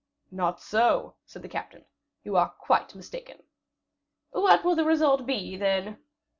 "Not so," said the captain, "you are quite mistaken." "What will be the result, then?"